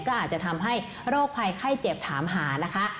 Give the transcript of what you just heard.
ก็อาจจะทำให้โรคภัยไข้เจ็บถามหานะคะ